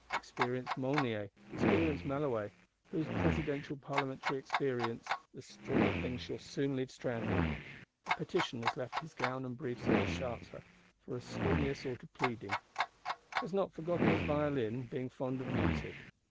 Experienced Mounier, experienced Malouet; whose Presidential Parlementary experience the stream of things shall soon leave stranded. A Pétion has left his gown and briefs at Chartres for a stormier sort of pleading; has not forgotten his violin, being fond of music.